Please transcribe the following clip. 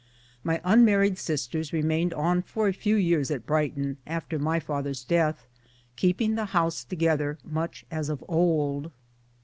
My unmarried sisters re mained on for a few years at Brighton after my father's death, keeping the house together much as of old.